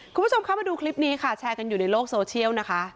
คุณผู้ชมคะมาดูคลิปนี้ค่ะแชร์กันอยู่ในโลกโซเชียลนะคะ